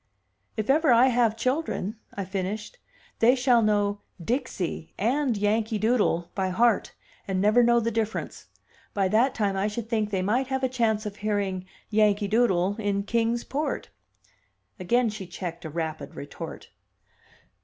"If ever I have children," I finished, "they shall know 'Dixie' and 'Yankee Doodle' by heart, and never know the difference. By that time I should think they might have a chance of hearing 'Yankee Doodle' in Kings Port." Again she checked a rapid retort.